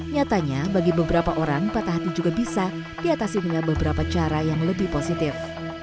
nyatanya bagi beberapa orang patah hati juga bisa diatasi dengan beberapa cara yang lebih positif